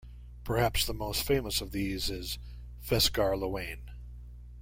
Perhaps the most famous of these is 'Feasgar Luain'.